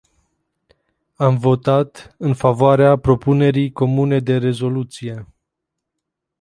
Am votat în favoarea propunerii comune de rezoluție.